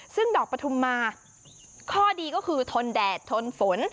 ซึ่งดอกปฐุมมาข้อดีก็คือทนแดดทนฝน